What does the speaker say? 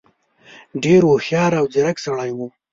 ډېر هوښیار او ځيرک سړی وو.